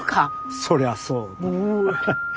そりゃそうだ。